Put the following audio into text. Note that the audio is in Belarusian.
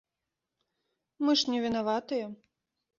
Мы ж не вінаватыя.